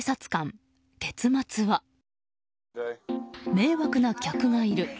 迷惑な客がいる。